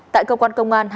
tại cơ quan công an